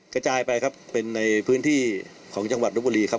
กระจายไปครับเป็นในพื้นที่ของจังหวัดลบบุรีครับ